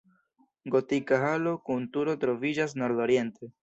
Gotika halo kun turo troviĝas nordoriente.